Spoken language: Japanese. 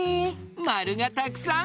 まるがたくさん！